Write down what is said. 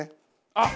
あっ！